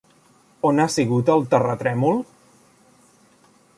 On ha sigut el terratrèmol?